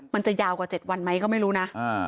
มันจะยาวกว่า๗วันไหมก็ไม่รู้นะ